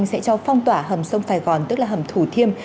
sẽ cho phong tỏa hầm sông sài gòn tức là hầm thủ thiêm